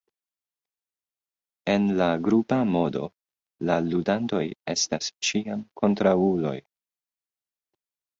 En la grupa modo, la ludantoj estas ĉiam kontraŭuloj.